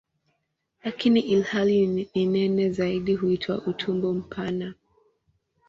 Lakini ilhali ni nene zaidi huitwa "utumbo mpana".